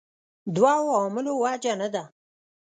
دوو عاملو وجه نه ده.